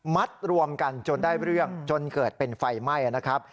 รวมกันจนได้เรื่องจนเกิดเป็นไฟไหม้นะครับ